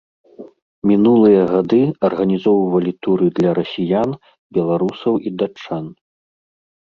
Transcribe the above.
Мінулыя гады арганізоўвалі туры для расіян, беларусаў і датчан.